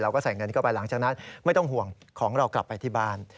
ก็ใส่เงินเข้าไปหลังจากนั้นไม่ต้องห่วงของเรากลับไปที่บ้าน